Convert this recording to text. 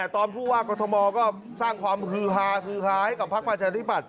ตอนพูดว่ากรทมก็สร้างความคือฮาคือคล้ายกับภาควัฒนธรรมิบัตร